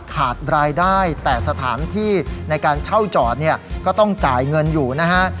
ขาดรายได้แต่สถานที่ในการเช่าจอดเนี่ยก็ต้องจ่ายเงินอยู่นะฮะ